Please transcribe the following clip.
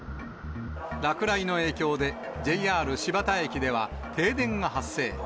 落雷の影響で、ＪＲ新発田駅では停電が発生。